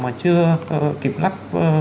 mà chưa kịp lắp